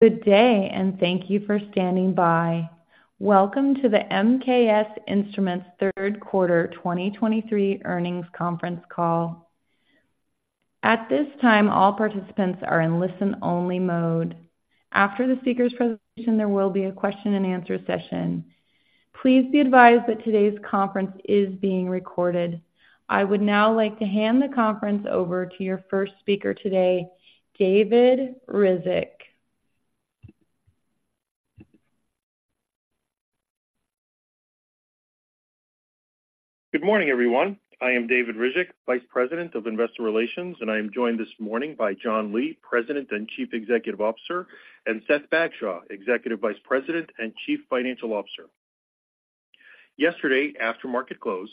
Good day, and thank you for standing by. Welcome to the MKS Instruments third quarter 2023 earnings conference call. At this time, all participants are in listen-only mode. After the speaker's presentation, there will be a question and answer session. Please be advised that today's conference is being recorded. I would now like to hand the conference over to your first speaker today, David Ryzhik. Good morning, everyone. I am David Ryzhik, Vice President of Investor Relations, and I am joined this morning by John T.C. Lee, President and Chief Executive Officer, and Seth H. Bagshaw, Executive Vice President and Chief Financial Officer. Yesterday, after market close,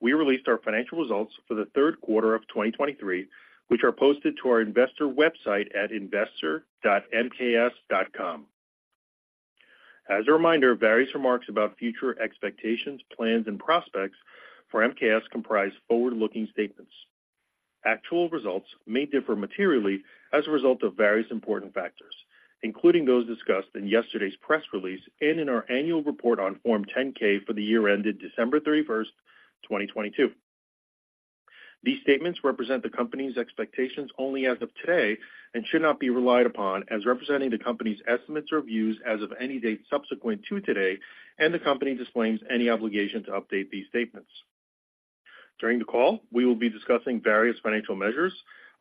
we released our financial results for the third quarter of 2023, which are posted to our investor website at investor.mks.com. As a reminder, various remarks about future expectations, plans, and prospects for MKS comprise forward-looking statements. Actual results may differ materially as a result of various important factors, including those discussed in yesterday's press release and in our annual report on Form 10-K for the year ended December 31st, 2022. These statements represent the company's expectations only as of today and should not be relied upon as representing the company's estimates or views as of any date subsequent to today, and the company disclaims any obligation to update these statements. During the call, we will be discussing various financial measures.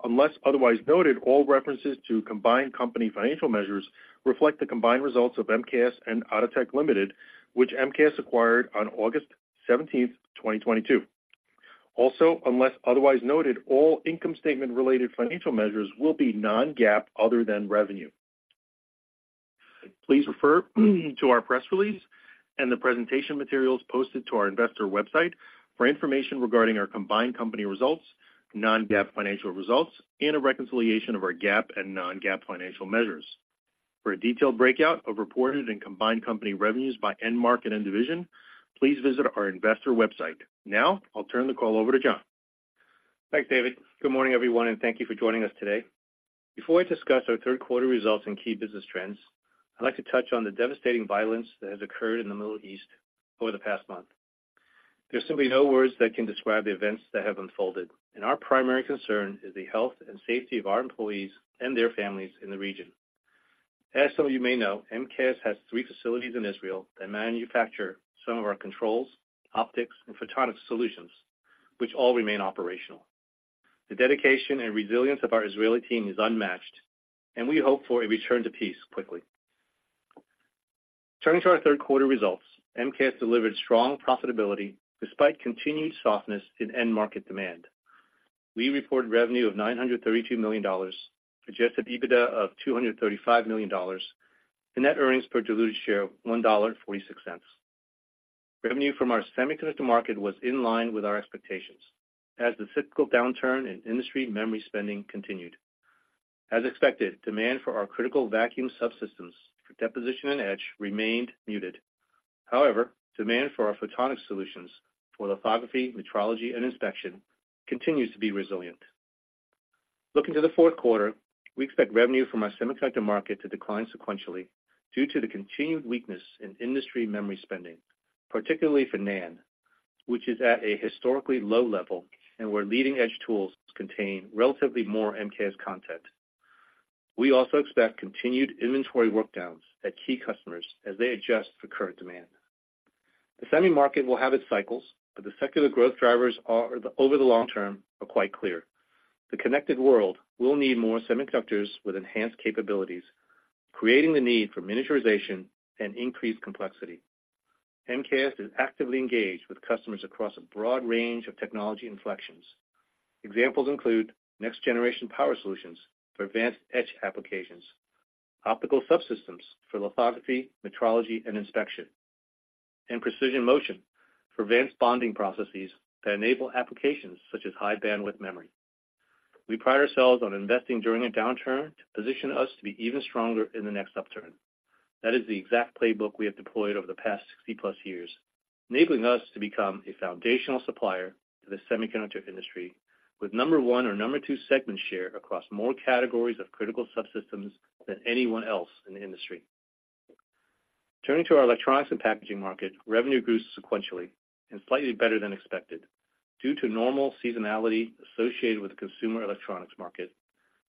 Unless otherwise noted, all references to combined company financial measures reflect the combined results of MKS and Atotech Limited, which MKS acquired on August 17th, 2022. Also, unless otherwise noted, all income statement-related financial measures will be non-GAAP other than revenue. Please refer to our press release and the presentation materials posted to our investor website for information regarding our combined company results, non-GAAP financial results, and a reconciliation of our GAAP and non-GAAP financial measures. For a detailed breakout of reported and combined company revenues by end market and division, please visit our investor website. Now, I'll turn the call over to John. Thanks, David. Good morning, everyone, and thank you for joining us today. Before I discuss our third quarter results and key business trends, I'd like to touch on the devastating violence that has occurred in the Middle East over the past month. There's simply no words that can describe the events that have unfolded, and our primary concern is the health and safety of our employees and their families in the region. As some of you may know, MKS has three facilities in Israel that manufacture some of our controls, optics, and photonics solutions, which all remain operational. The dedication and resilience of our Israeli team is unmatched, and we hope for a return to peace quickly. Turning to our third quarter results, MKS delivered strong profitability despite continued softness in end market demand. We reported revenue of $932 million, Adjusted EBITDA of $235 million, and net earnings per diluted share of $1.46. Revenue from our semiconductor market was in line with our expectations as the cyclical downturn in industry memory spending continued. As expected, demand for our critical vacuum subsystems for deposition and etch remained muted. However, demand for our photonics solutions for lithography, metrology, and inspection continues to be resilient. Looking to the fourth quarter, we expect revenue from our semiconductor market to decline sequentially due to the continued weakness in industry memory spending, particularly for NAND, which is at a historically low level and where leading-edge tools contain relatively more MKS content. We also expect continued inventory work downs at key customers as they adjust for current demand. The semi market will have its cycles, but the secular growth drivers are, over the long term, are quite clear. The connected world will need more semiconductors with enhanced capabilities, creating the need for miniaturization and increased complexity. MKS is actively engaged with customers across a broad range of technology inflections. Examples include next-generation power solutions for advanced etch applications, optical subsystems for lithography, metrology, and inspection, and precision motion for advanced bonding processes that enable applications such as High Bandwidth Memory. We pride ourselves on investing during a downturn to position us to be even stronger in the next upturn. That is the exact playbook we have deployed over the past 60-plus years, enabling us to become a foundational supplier to the semiconductor industry, with number one or number two segment share across more categories of critical subsystems than anyone else in the industry. Turning to our electronics and packaging market, revenue grew sequentially and slightly better than expected due to normal seasonality associated with the consumer electronics market,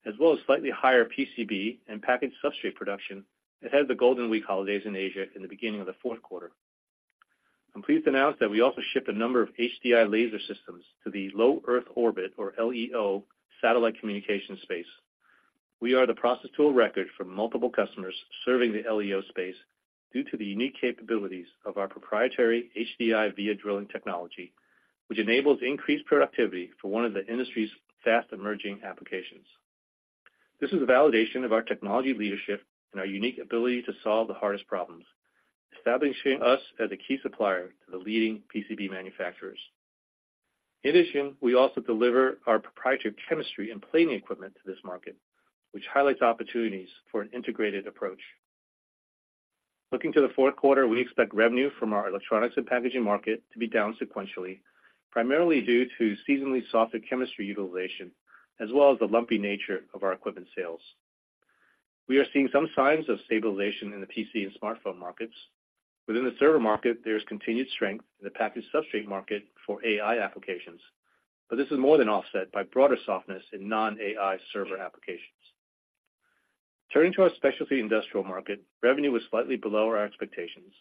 as well as slightly higher PCB and package substrate production that had the Golden Week holidays in Asia in the beginning of the fourth quarter. I'm pleased to announce that we also shipped a number of HDI laser systems to the Low Earth Orbit, or LEO, satellite communication space. We are the process tool of record for multiple customers serving the LEO space due to the unique capabilities of our proprietary HDI via drilling technology, which enables increased productivity for one of the industry's fast-emerging applications. This is a validation of our technology leadership and our unique ability to solve the hardest problems, establishing us as a key supplier to the leading PCB manufacturers. In addition, we also deliver our proprietary chemistry and plating equipment to this market, which highlights opportunities for an integrated approach. Looking to the fourth quarter, we expect revenue from our electronics and packaging market to be down sequentially, primarily due to seasonally softer chemistry utilization, as well as the lumpy nature of our equipment sales. We are seeing some signs of stabilization in the PC and smartphone markets. Within the server market, there is continued strength in the package substrate market for AI applications, but this is more than offset by broader softness in non-AI server applications. Turning to our specialty industrial market, revenue was slightly below our expectations.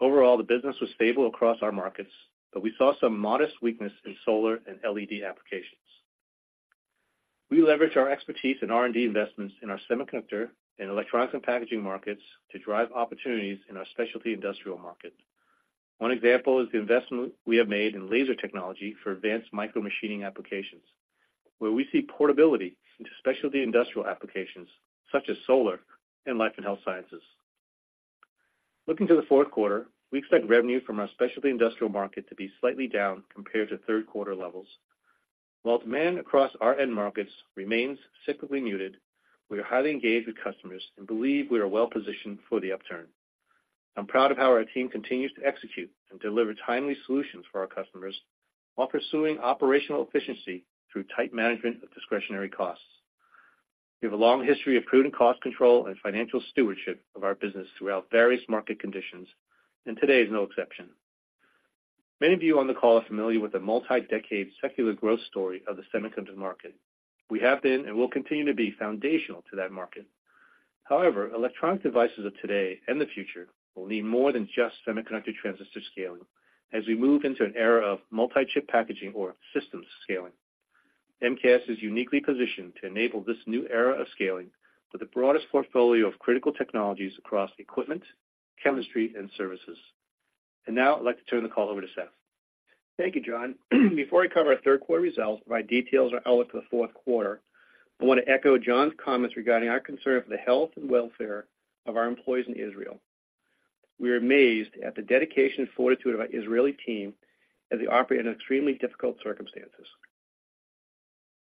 Overall, the business was stable across our markets, but we saw some modest weakness in solar and LED applications. We leverage our expertise and R&D investments in our semiconductor and electronics and packaging markets to drive opportunities in our specialty industrial market. One example is the investment we have made in laser technology for advanced micromachining applications, where we see portability into specialty industrial applications such as solar and life and health sciences. Looking to the fourth quarter, we expect revenue from our specialty industrial market to be slightly down compared to third quarter levels. While demand across our end markets remains cyclically muted, we are highly engaged with customers and believe we are well positioned for the upturn. I'm proud of how our team continues to execute and deliver timely solutions for our customers, while pursuing operational efficiency through tight management of discretionary costs. We have a long history of prudent cost control and financial stewardship of our business throughout various market conditions, and today is no exception. Many of you on the call are familiar with the multi-decade secular growth story of the semiconductor market. We have been, and will continue to be, foundational to that market. However, electronic devices of today and the future will need more than just semiconductor transistor scaling as we move into an era of multi-chip packaging or systems scaling. MKS is uniquely positioned to enable this new era of scaling with the broadest portfolio of critical technologies across equipment, chemistry, and services. Now I'd like to turn the call over to Seth. Thank you, John. Before I cover our third quarter results, provide details on our outlook for the fourth quarter, I want to echo John's comments regarding our concern for the health and welfare of our employees in Israel. We are amazed at the dedication and fortitude of our Israeli team as they operate in extremely difficult circumstances.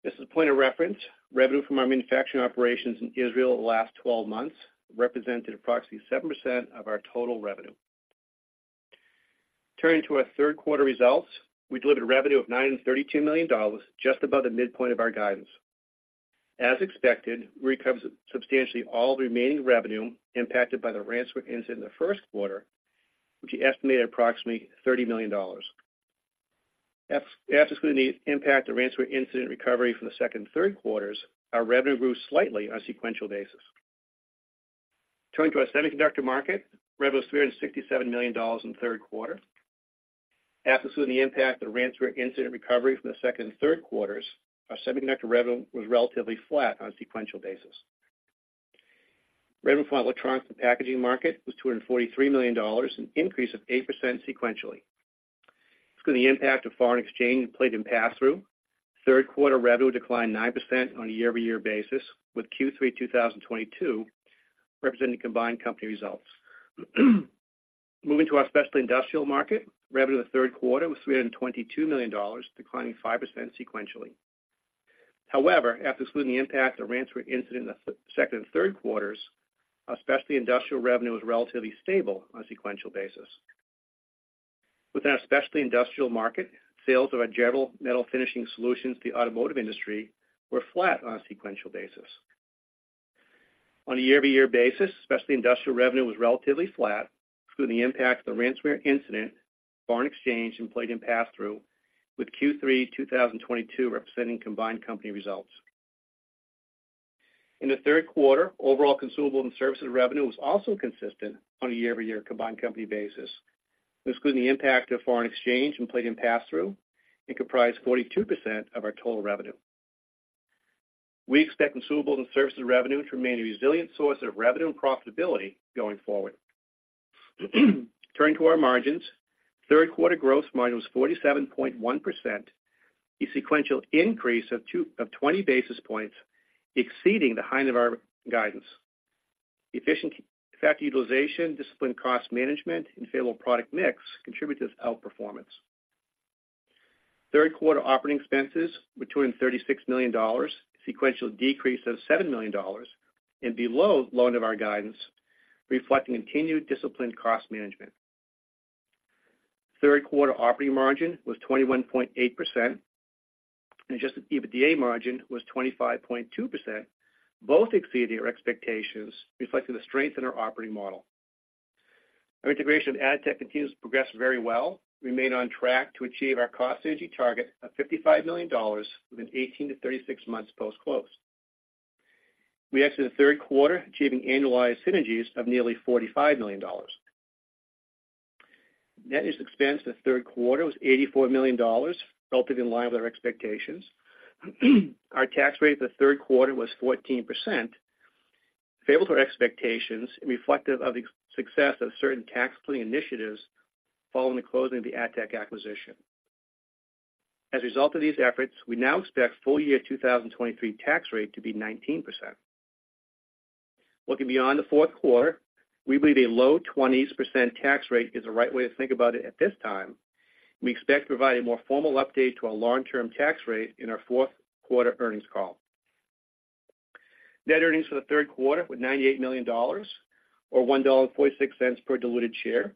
Just as a point of reference, revenue from our manufacturing operations in Israel in the last 12 months represented approximately 7% of our total revenue. Turning to our third quarter results, we delivered revenue of $932 million, just above the midpoint of our guidance. As expected, we recovered substantially all the remaining revenue impacted by the ransomware incident in the first quarter, which we estimated at approximately $30 million. After excluding the impact of the ransomware incident recovery from the second and third quarters, our revenue grew slightly on a sequential basis. Turning to our semiconductor market, revenue was $367 million in the third quarter. After excluding the impact of the ransomware incident recovery from the second and third quarters, our semiconductor revenue was relatively flat on a sequential basis. Revenue for our electronics and packaging market was $243 million, an increase of 8% sequentially. Excluding the impact of foreign exchange and plating pass-through, third quarter revenue declined 9% on a year-over-year basis, with Q3 2022 representing combined company results. Moving to our specialty industrial market, revenue in the third quarter was $322 million, declining 5% sequentially. However, after excluding the impact of the ransomware incident in the second and third quarters, our specialty industrial revenue was relatively stable on a sequential basis. Within our specialty industrial market, sales of our general metal finishing solutions to the automotive industry were flat on a sequential basis. On a year-over-year basis, specialty industrial revenue was relatively flat, excluding the impact of the ransomware incident, foreign exchange, and plating pass-through, with Q3 2022 representing combined company results. In the third quarter, overall consumables and services revenue was also consistent on a year-over-year combined company basis, excluding the impact of foreign exchange and plating pass-through, and comprised 42% of our total revenue. We expect consumables and services revenue to remain a resilient source of revenue and profitability going forward. Turning to our margins, third quarter gross margin was 47.1%, a sequential increase of twenty basis points, exceeding the high end of our guidance. Efficient factory utilization, disciplined cost management, and favorable product mix contributed to this outperformance. Third quarter operating expenses were $236 million, a sequential decrease of $7 million and below the low end of our guidance, reflecting continued disciplined cost management. Third quarter operating margin was 21.8%, and adjusted EBITDA margin was 25.2%, both exceeding our expectations, reflecting the strength in our operating model. Our integration of Atotech continues to progress very well. We remain on track to achieve our cost synergy target of $55 million within 18-36 months post-close. We exited the third quarter achieving annualized synergies of nearly $45 million. Net interest expense in the third quarter was $84 million, relatively in line with our expectations. Our tax rate in the third quarter was 14%, favorable to our expectations and reflective of the success of certain tax planning initiatives following the closing of the Atotech acquisition. As a result of these efforts, we now expect full year 2023 tax rate to be 19%. Looking beyond the fourth quarter, we believe a low 20s% tax rate is the right way to think about it at this time. We expect to provide a more formal update to our long-term tax rate in our fourth quarter earnings call. Net earnings for the third quarter were $98 million, or $1.46 per diluted share.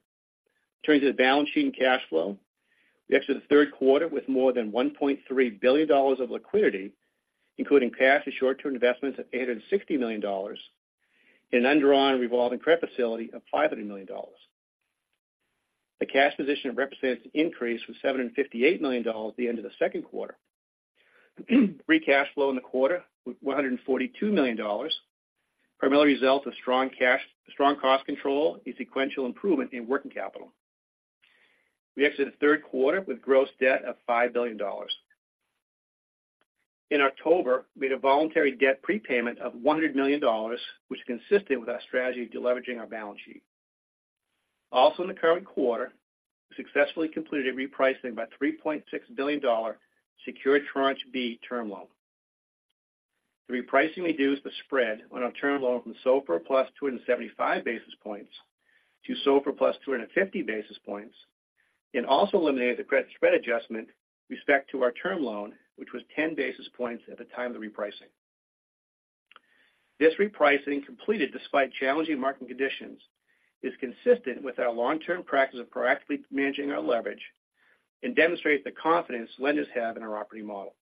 Turning to the balance sheet and cash flow, we exited the third quarter with more than $1.3 billion of liquidity, including cash and short-term investments of $860 million, and an undrawn revolving credit facility of $500 million. The cash position represents an increase from $758 million at the end of the second quarter. Free cash flow in the quarter was $142 million, primarily a result of strong cost control and sequential improvement in working capital. We exited the third quarter with gross debt of $5 billion. In October, we made a voluntary debt prepayment of $100 million, which is consistent with our strategy of deleveraging our balance sheet. Also, in the current quarter, we successfully completed a repricing of our $3.6 billion secured Tranche B term loan. The repricing reduced the spread on our term loan from SOFR plus 275 basis points to SOFR plus 250 basis points, and also eliminated the credit spread adjustment with respect to our term loan, which was 10 basis points at the time of the repricing. This repricing, completed despite challenging market conditions, is consistent with our long-term practice of proactively managing our leverage and demonstrates the confidence lenders have in our operating model.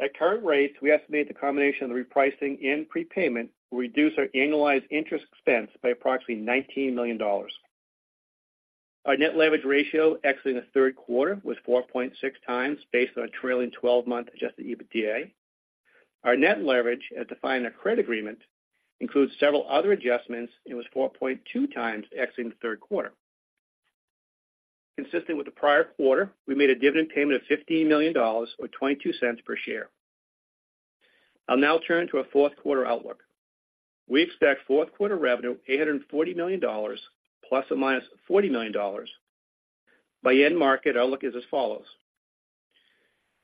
At current rates, we estimate the combination of the repricing and prepayment will reduce our annualized interest expense by approximately $19 million. Our net leverage ratio exiting the third quarter was 4.6 times based on a trailing twelve-month Adjusted EBITDA. Our net leverage, as defined in our credit agreement, includes several other adjustments, and was 4.2 times exiting the third quarter. Consistent with the prior quarter, we made a dividend payment of $15 million, or 22 cents per share. I'll now turn to our fourth quarter outlook. We expect fourth quarter revenue of $840 million ± $40 million. By end market, our outlook is as follows: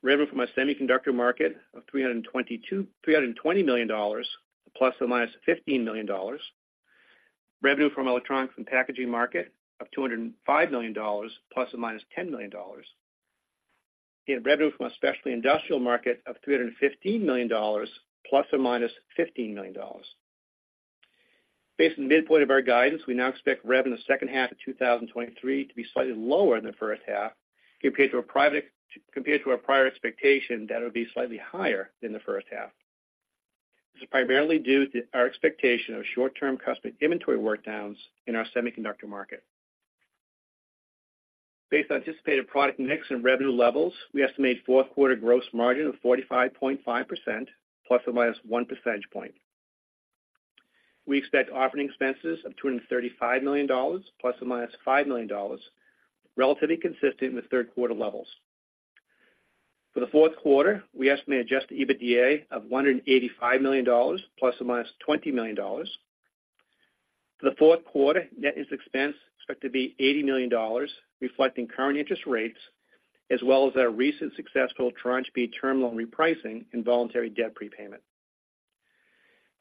revenue from our semiconductor market of $320 million ±$15 million. Revenue from electronics and packaging market of $205 million ±$10 million. Revenue from our specialty industrial market of $315 million ±$15 million. Based on the midpoint of our guidance, we now expect revenue in the second half of 2023 to be slightly lower than the first half, compared to our prior expectation that it would be slightly higher than the first half. This is primarily due to our expectation of short-term customer inventory work downs in our semiconductor market. Based on anticipated product mix and revenue levels, we estimate fourth quarter gross margin of 45.5%, ±1 percentage point. We expect operating expenses of $235 million, ±$5 million, relatively consistent with third quarter levels. For the fourth quarter, we estimate Adjusted EBITDA of $185 million, ±$20 million. For the fourth quarter, net interest expense is expected to be $80 million, reflecting current interest rates, as well as our recent successful Tranche B Term Loan repricing and voluntary debt prepayment.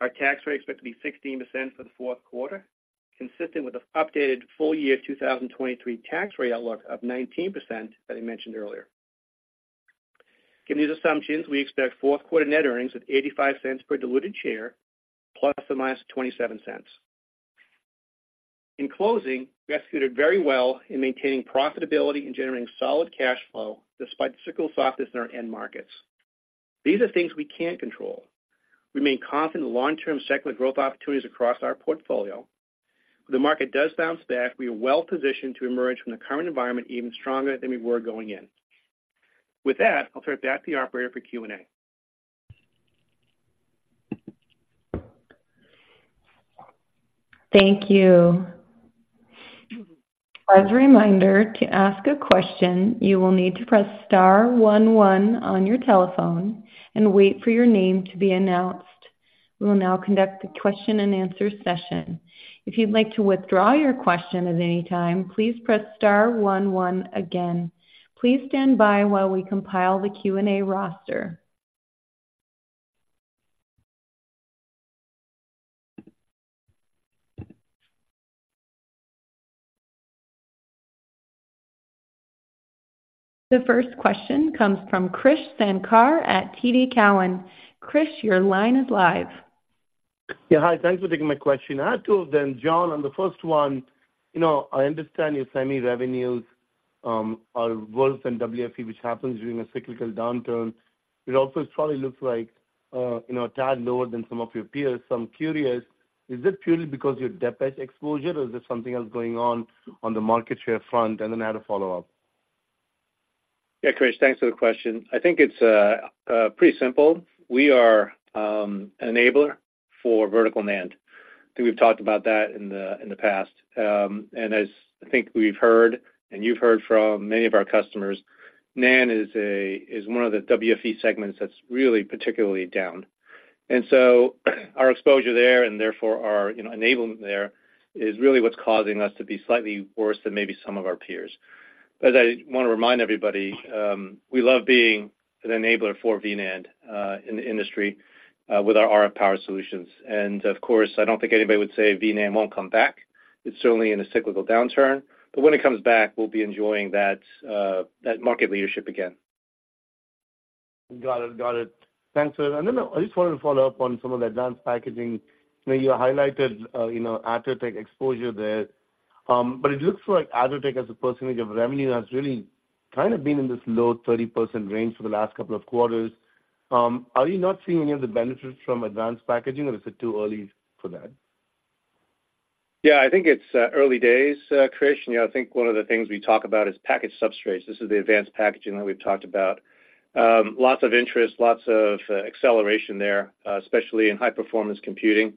Our tax rate is expected to be 16% for the fourth quarter, consistent with the updated full year 2023 tax rate outlook of 19% that I mentioned earlier. Given these assumptions, we expect fourth quarter net earnings of $0.85 per diluted share, ±$0.27. In closing, we executed very well in maintaining profitability and generating solid cash flow despite the cyclical softness in our end markets. These are things we can't control. We remain confident in the long-term secular growth opportunities across our portfolio. If the market does bounce back, we are well positioned to emerge from the current environment even stronger than we were going in. With that, I'll turn it back to the operator for Q&A. Thank you. As a reminder, to ask a question, you will need to press star one, one on your telephone and wait for your name to be announced. We will now conduct the question-and-answer session. If you'd like to withdraw your question at any time, please press star one, one again. Please stand by while we compile the Q&A roster. The first question comes from Krish Sankar at TD Cowen. Krish, your line is live. Yeah, hi, thanks for taking my question. I have two of them, John. On the first one, you know, I understand your semi revenues are worse than WFE, which happens during a cyclical downturn. It also probably looks like, you know, a tad lower than some of your peers. So I'm curious, is it purely because of your dep/etch exposure, or is there something else going on, on the market share front? And then I had a follow-up. Yeah, Krish, thanks for the question. I think it's pretty simple. We are an enabler for Vertical NAND. I think we've talked about that in the past. And as I think we've heard, and you've heard from many of our customers, NAND is one of the WFE segments that's really particularly down. And so our exposure there and therefore our, you know, enablement there, is really what's causing us to be slightly worse than maybe some of our peers. But I want to remind everybody, we love being an enabler for VNAND in the industry with our RF power solutions. And of course, I don't think anybody would say VNAND won't come back. It's certainly in a cyclical downturn, but when it comes back, we'll be enjoying that, that market leadership again. Got it. Got it. Thanks. And then I just wanted to follow up on some of the advanced packaging. You know, you highlighted, you know, Atotech exposure there, but it looks like Atotech as a percentage of revenue, has really kind of been in this low 30% range for the last couple of quarters. Are you not seeing any of the benefits from advanced packaging, or is it too early for that? Yeah, I think it's early days, Krish. You know, I think one of the things we talk about is package substrates. This is the advanced packaging that we've talked about. Lots of interest, lots of acceleration there, especially in high-performance computing.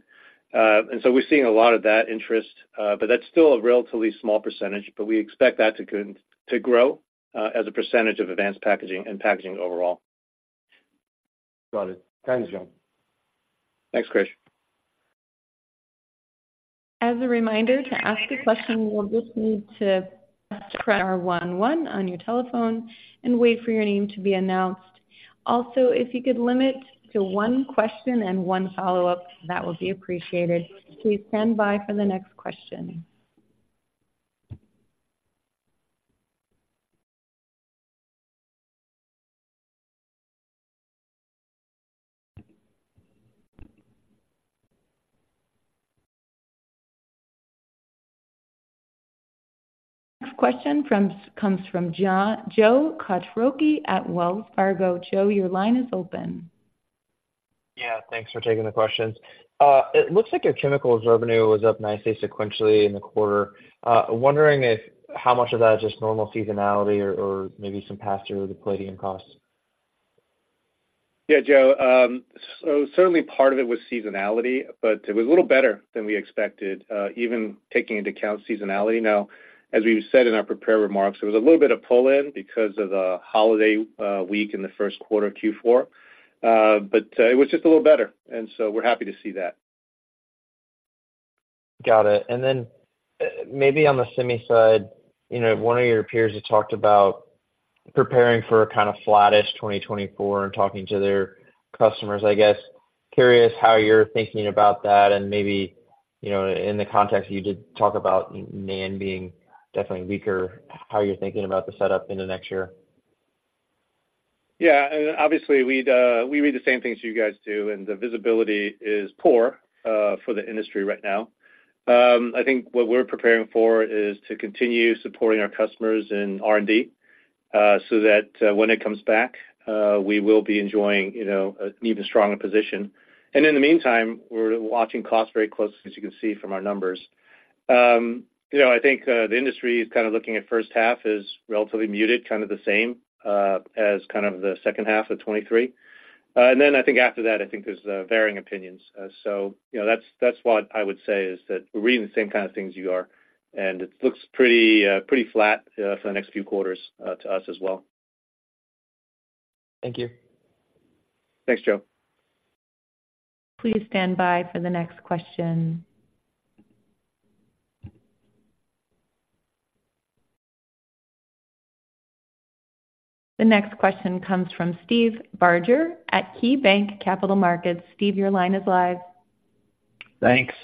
And so we're seeing a lot of that interest, but that's still a relatively small percentage, but we expect that to grow as a percentage of advanced packaging and packaging overall. Got it. Thanks, John. Thanks, Krish. As a reminder, to ask a question, you will just need to press star one one on your telephone and wait for your name to be announced. Also, if you could limit to one question and one follow-up, that would be appreciated. Please stand by for the next question. Next question comes from Joe Quatrochi at Wells Fargo. Joe, your line is open. Yeah, thanks for taking the questions. It looks like your chemicals revenue was up nicely sequentially in the quarter. Wondering if how much of that is just normal seasonality or, or maybe some pass-through of the palladium costs? Yeah, Joe. So certainly part of it was seasonality, but it was a little better than we expected, even taking into account seasonality. Now, as we've said in our prepared remarks, there was a little bit of pull-in because of the holiday week in the first quarter, Q4. But it was just a little better, and so we're happy to see that. Got it. And then, maybe on the semi side, you know, one of your peers had talked about preparing for a kind of flattish 2024 in talking to their customers, I guess. Curious how you're thinking about that and maybe, you know, in the context, you did talk about NAND being definitely weaker, how you're thinking about the setup in the next year? Yeah, and obviously, we'd we read the same things you guys do, and the visibility is poor for the industry right now. I think what we're preparing for is to continue supporting our customers in R&D, so that when it comes back we will be enjoying, you know, an even stronger position. And in the meantime, we're watching costs very closely, as you can see from our numbers. You know, I think the industry is kind of looking at first half as relatively muted, kind of the same as kind of the second half of 2023. And then I think after that, I think there's varying opinions. So you know, that's what I would say, is that we're reading the same kind of things you are, and it looks pretty flat for the next few quarters to us as well. Thank you. Thanks, Joe. Please stand by for the next question. The next question comes from Steve Barger at KeyBanc Capital Markets. Steve, your line is live. Thanks.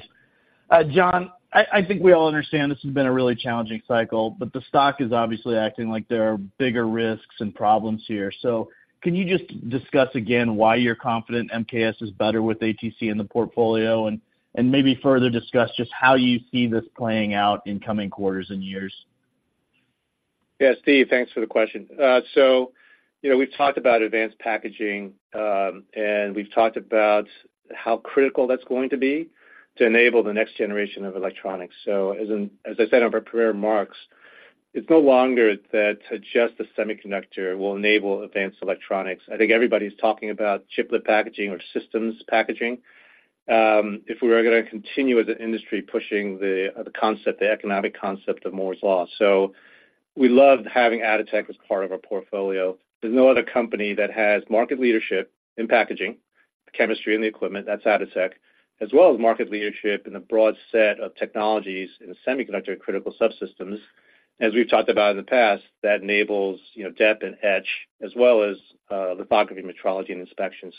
John, I think we all understand this has been a really challenging cycle, but the stock is obviously acting like there are bigger risks and problems here. So can you just discuss again why you're confident MKS is better with Atotech in the portfolio? And maybe further discuss just how you see this playing out in coming quarters and years. Yeah, Steve, thanks for the question. So you know, we've talked about advanced packaging, and we've talked about how critical that's going to be to enable the next generation of electronics. So as, as I said in our prepared remarks, it's no longer that just the semiconductor will enable advanced electronics. I think everybody's talking about chiplet packaging or systems packaging, if we are gonna continue as an industry, pushing the, the concept, the economic concept of Moore's Law. So we loved having Atotech as part of our portfolio. There's no other company that has market leadership in packaging, chemistry, and the equipment, that's Atotech, as well as market leadership in a broad set of technologies in semiconductor-critical subsystems. As we've talked about in the past, that enables, you know, dep and etch, as well as, lithography, metrology, and inspection.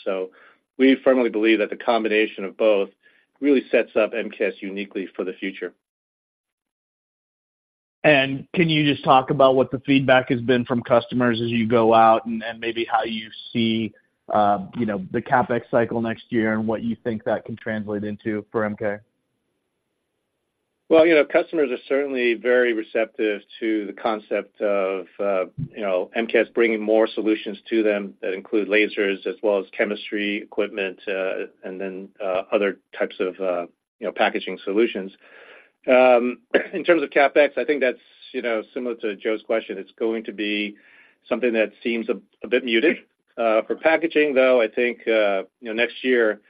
We firmly believe that the combination of both really sets up MKS uniquely for the future. Can you just talk about what the feedback has been from customers as you go out, and maybe how you see, you know, the CapEx cycle next year and what you think that can translate into for MKS? Well, you know, customers are certainly very receptive to the concept of, you know, MKS bringing more solutions to them that include lasers as well as chemistry, equipment, and then other types of, you know, packaging solutions. In terms of CapEx, I think that's, you know, similar to Joe's question, it's going to be something that seems a bit muted. For packaging, though, I think, you know, next year,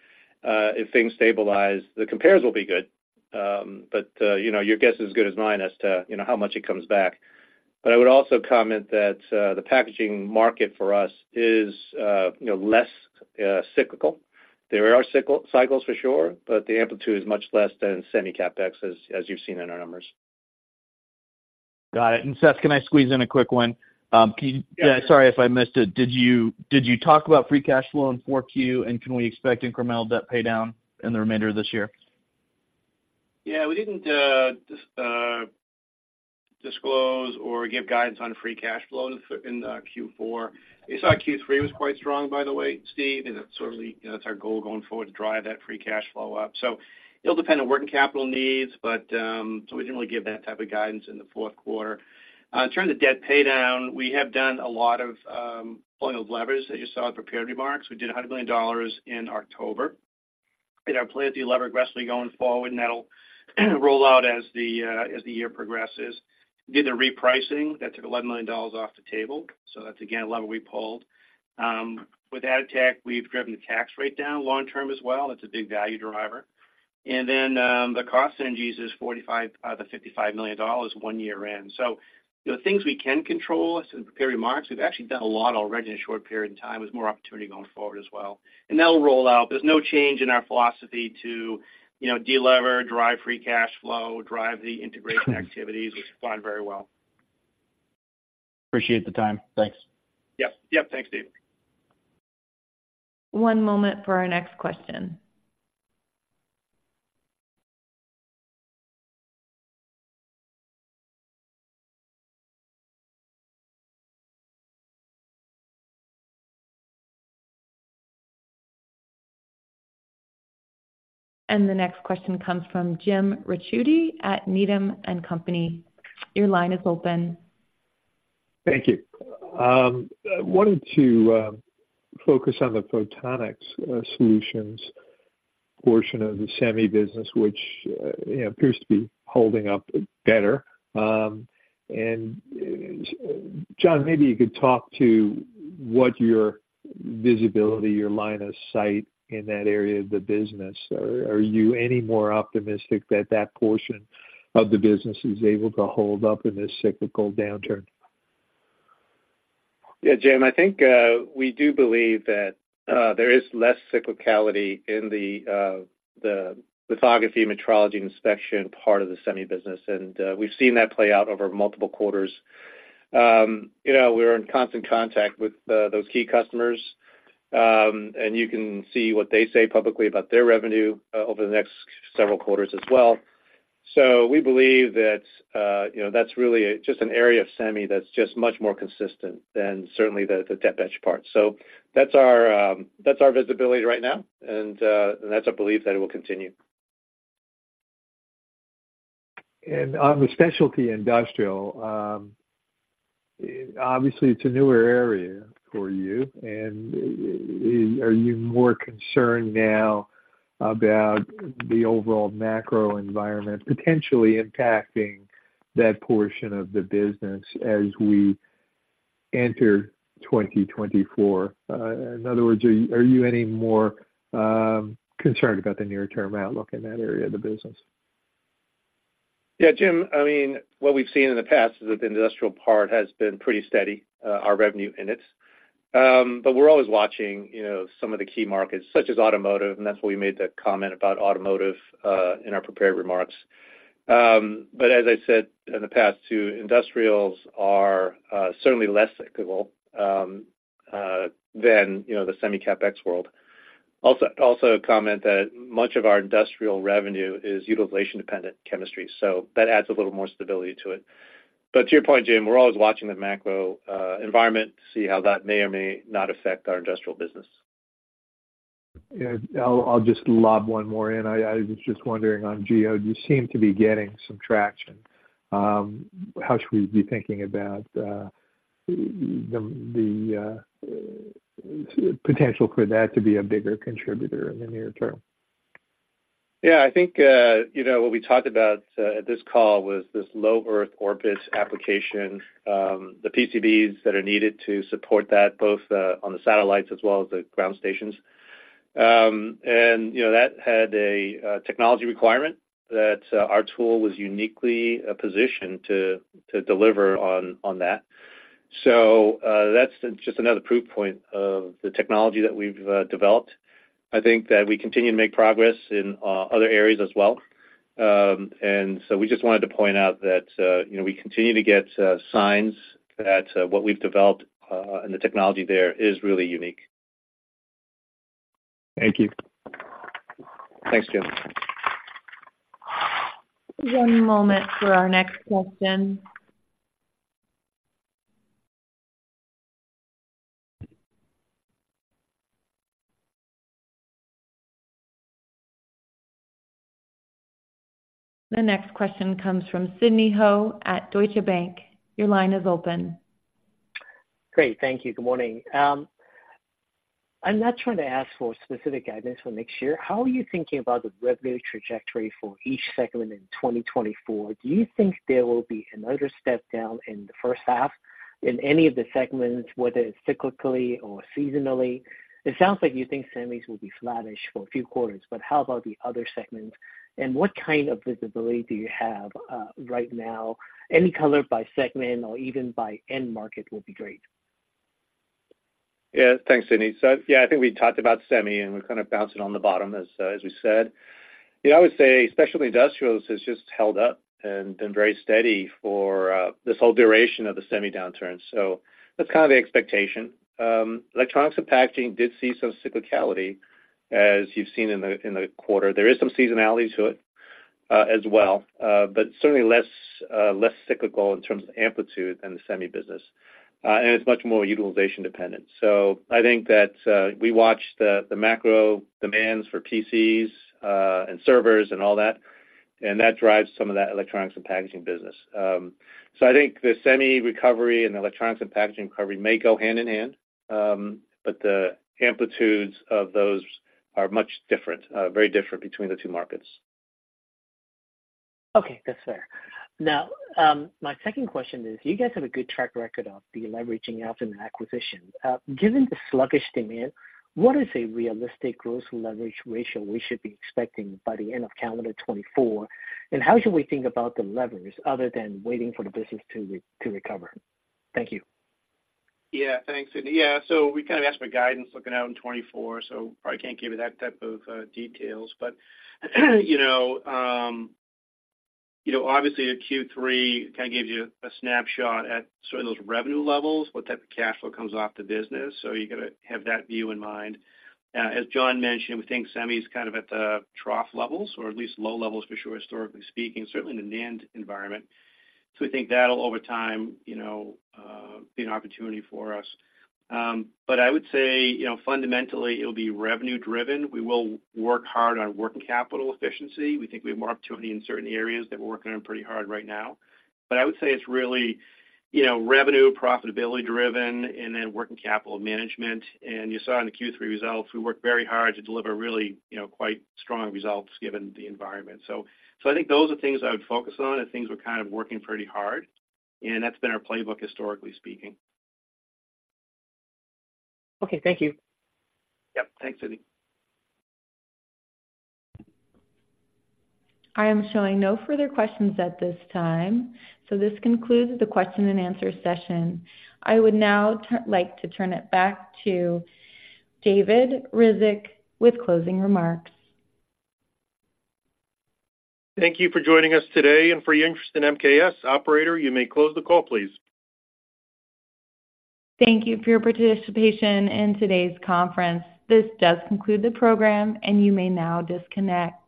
if things stabilize, the compares will be good. But, you know, your guess is as good as mine as to, you know, how much it comes back. But I would also comment that, the packaging market for us is, you know, less cyclical. There are cycles for sure, but the amplitude is much less than semi CapEx, as you've seen in our numbers.... Got it. And Seth, can I squeeze in a quick one? Can you- Yeah. Sorry if I missed it. Did you talk about free cash flow in 4Q, and can we expect incremental debt pay down in the remainder of this year? Yeah, we didn't disclose or give guidance on free cash flow in the Q4. You saw Q3 was quite strong, by the way, Steve, and that's certainly, you know, that's our goal going forward, to drive that free cash flow up. So it'll depend on working capital needs, but so we didn't really give that type of guidance in the fourth quarter. In terms of debt pay down, we have done a lot of pulling of levers that you saw in prepared remarks. We did $100 million in October. And our plan is to lever aggressively going forward, and that'll roll out as the year progresses. Did the repricing, that took $11 million off the table, so that's, again, a lever we pulled. With Atotech, we've driven the tax rate down long term as well. That's a big value driver. And then, the cost synergies is $45-$55 million 1 year in. So, you know, things we can control, as in prepared remarks, we've actually done a lot already in a short period in time, with more opportunity going forward as well, and that'll roll out. There's no change in our philosophy to, you know, delever, drive free cash flow, drive the integration activities, which spot very well. Appreciate the time. Thanks. Yep. Yep. Thanks, Steve. One moment for our next question. The next question comes from Jim Ricchiuti at Needham and Company. Your line is open. Thank you. I wanted to focus on the Photonics solutions portion of the semi business, which you know appears to be holding up better. John, maybe you could talk to what your visibility, your line of sight in that area of the business. Are you any more optimistic that that portion of the business is able to hold up in this cyclical downturn? Yeah, Jim, I think we do believe that there is less cyclicality in the lithography, metrology, and inspection part of the semi business, and we've seen that play out over multiple quarters. You know, we're in constant contact with those key customers, and you can see what they say publicly about their revenue over the next several quarters as well. So we believe that you know, that's really just an area of semi that's just much more consistent than certainly the dep/etch part. So that's our visibility right now, and that's our belief that it will continue. On the specialty industrial, obviously it's a newer area for you, and are you more concerned now about the overall macro environment potentially impacting that portion of the business as we enter 2024? In other words, are you, are you any more concerned about the near-term outlook in that area of the business? Yeah, Jim, I mean, what we've seen in the past is that the industrial part has been pretty steady, our revenue in it. But we're always watching, you know, some of the key markets, such as automotive, and that's why we made the comment about automotive in our prepared remarks. But as I said in the past, too, industrials are certainly less cyclical than, you know, the semi-CapEx world. Also, comment that much of our industrial revenue is utilization-dependent chemistry, so that adds a little more stability to it. But to your point, Jim, we're always watching the macro environment to see how that may or may not affect our industrial business. Yeah, I'll just lob one more in. I was just wondering, on Geode you seem to be getting some traction. How should we be thinking about the potential for that to be a bigger contributor in the near term? Yeah, I think, you know, what we talked about at this call was this low-Earth orbit application, the PCBs that are needed to support that, both on the satellites as well as the ground stations. And you know, that had a technology requirement that our tool was uniquely positioned to deliver on that. So, that's just another proof point of the technology that we've developed. I think that we continue to make progress in other areas as well. And so we just wanted to point out that, you know, we continue to get signs that what we've developed and the technology there is really unique. Thank you. Thanks, Jim. One moment for our next question. The next question comes from Sidney Ho at Deutsche Bank. Your line is open. Great. Thank you. Good morning. I'm not trying to ask for specific guidance for next year. How are you thinking about the revenue trajectory for each segment in 2024? Do you think there will be another step down in the first half in any of the segments, whether it's cyclically or seasonally? It sounds like you think semis will be flattish for a few quarters, but how about the other segments? And what kind of visibility do you have, right now? Any color by segment or even by end market will be great.... Yeah, thanks, Sidney. So yeah, I think we talked about semi, and we're kind of bouncing on the bottom as we said. Yeah, I would say, especially industrials, has just held up and been very steady for this whole duration of the semi downturn. So that's kind of the expectation. Electronics and packaging did see some cyclicality, as you've seen in the quarter. There is some seasonality to it, as well, but certainly less cyclical in terms of amplitude than the semi business. And it's much more utilization dependent. So I think that we watch the macro demands for PCs, and servers and all that, and that drives some of that electronics and packaging business. So I think the semi recovery and electronics and packaging recovery may go hand in hand, but the amplitudes of those are much different, very different between the two markets. Okay, that's fair. Now, my second question is: you guys have a good track record of deleveraging out in the acquisition. Given the sluggish demand, what is a realistic gross leverage ratio we should be expecting by the end of calendar 2024? And how should we think about the leverage other than waiting for the business to recover? Thank you. Yeah, thanks, Sidney. Yeah, so we kind of asked for guidance looking out in 2024, so probably can't give you that type of details. But, you know, you know, obviously, the Q3 kind of gives you a snapshot at sort of those revenue levels, what type of cash flow comes off the business. So you got to have that view in mind. As John mentioned, we think semi is kind of at the trough levels, or at least low levels for sure, historically speaking, certainly in the NAND environment. So we think that'll over time, you know, be an opportunity for us. But I would say, you know, fundamentally, it'll be revenue-driven. We will work hard on working capital efficiency. We think we have more opportunity in certain areas that we're working on pretty hard right now. But I would say it's really, you know, revenue, profitability-driven, and then working capital management. And you saw in the Q3 results, we worked very hard to deliver really, you know, quite strong results given the environment. So, I think those are things I would focus on, and things we're kind of working pretty hard, and that's been our playbook, historically speaking. Okay, thank you. Yep. Thanks, Sidney. I am showing no further questions at this time. So this concludes the question and answer session. I would now like to turn it back to David Ryzhik with closing remarks. Thank you for joining us today and for your interest in MKS. Operator, you may close the call, please. Thank you for your participation in today's conference. This does conclude the program, and you may now disconnect.